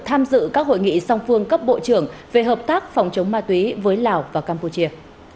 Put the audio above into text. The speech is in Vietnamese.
tham dự các hội nghị song phương cấp bộ trưởng về hợp tác phòng chống ma túy với lào và campuchia